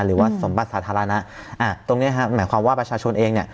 หรือว่าสมบัติสาธารณะตรงเนี้ยฮะหมายความว่าประชาชนเองเนี่ย